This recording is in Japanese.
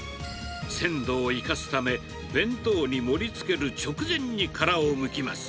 鮮度を生かすため、弁当に盛りつける直前に殻をむきます。